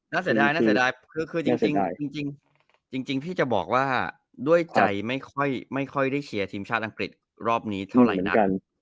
เสียดายน่าเสียดายคือจริงพี่จะบอกว่าด้วยใจไม่ค่อยได้เชียร์ทีมชาติอังกฤษรอบนี้เท่าไหร่นัก